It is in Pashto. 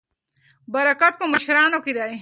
برکت په مشرانو کې دی.